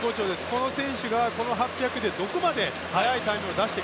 この選手がこの８００でどこまで速いタイムを出すか。